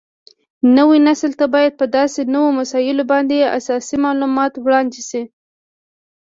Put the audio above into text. نوي نسل ته باید په داسې نوو مسایلو باندې اساسي معلومات وړاندې شي